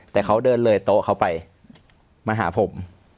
แต่เขาเดินเลยโต๊ะเขาไปมาหาผม